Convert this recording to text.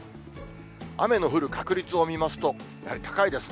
雨の降る確率を見ますと、やはり高いですね。